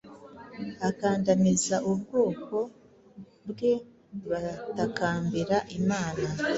akandamiza ubwoko bwebatakambira imana